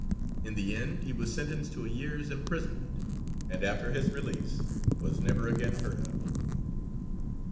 In the end he was sentenced to a year's imprisonment, and after his release was never again heard of.